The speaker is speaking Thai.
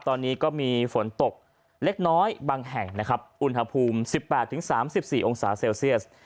ตอนนี้ก็มีฝนตกเล็กน้อยบางแห่งนะครับอุณหภูมิสิบแปดถึงสามสิบสี่องศาเซลเซียส